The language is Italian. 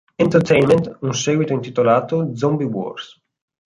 Entertainment, un seguito intitolato "Zombie Wars".